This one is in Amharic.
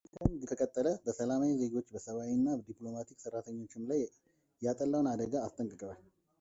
ብሊንከን ግጭቱ ከቀጠለ በሰላማዊ ዜጎች በሰብዓዊ እና ዲፕሎማቲክ ሰራተኞችም ላይ ያጠላውን አደጋ አስጠንቅቀዋል።